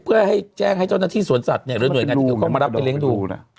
เพื่อแจ้งให้เจ้าหน้าที่สวนสัตว์เรื่องหน่วยกันเขาก็มารับเป็นเล้งดู